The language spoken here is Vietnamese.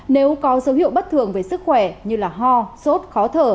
nếu có dấu hiệu bất thường về sức khỏe như ho sốt khó thở